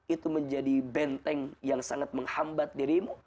itu menjadi benteng yang sangat menghambat dirimu